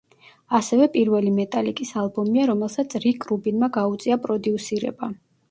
ასევე პირველი მეტალიკის ალბომია, რომელსაც რიკ რუბინმა გაუწია პროდიუსირება.